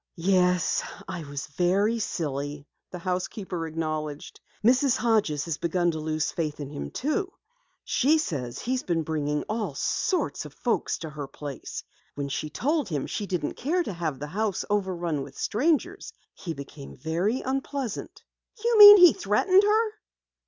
"Yes, I was very silly," the housekeeper acknowledged. "Mrs. Hodges has begun to lose faith in him, too. She says he's been bringing all sorts of folks to her place. When she told him she didn't care to have the house over run with strangers, he became very unpleasant." "You mean he threatened her?"